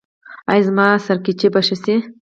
ایا زما سرگیچي به ښه شي؟